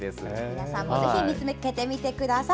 皆さんもぜひ見つけてみてください。